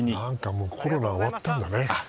もうコロナは終わったんだね。